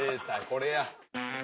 これや。